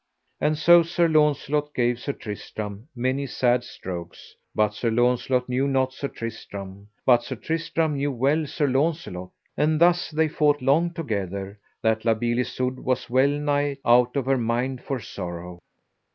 And so Sir Launcelot gave Sir Tristram many sad strokes, but Sir Launcelot knew not Sir Tristram, but Sir Tristram knew well Sir Launcelot. And thus they fought long together, that La Beale Isoud was well nigh out of her mind for sorrow.